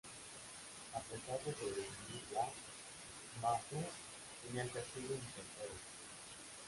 A pesar de sobrevivir la, Ma Su temía el castigo e intentó huir.